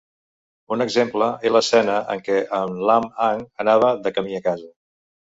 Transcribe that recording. Un exemple és l'escena en què en Lam-ang anava de camí a casa.